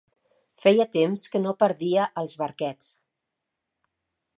Feia temps que no perdia als barquets.